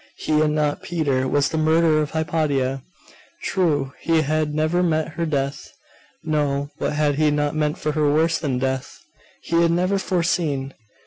He, and not Peter, was the murderer of Hypatia! True, he had never meant her death.... No; but had he not meant for her worse than death? He had never foreseen....